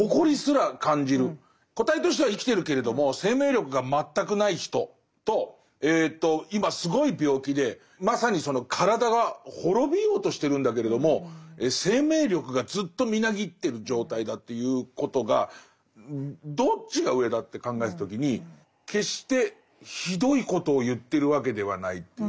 個体としては生きてるけれども生命力が全くない人と今すごい病気でまさにその体は滅びようとしてるんだけれども生命力がずっとみなぎってる状態だということがどっちが上だって考えた時に決してひどいことを言ってるわけではないっていう。